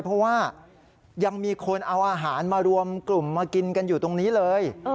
เพราะว่ายังมีคนเอาอาหารมารวมกลุ่มมากินกันอยู่ตรงนี้เลย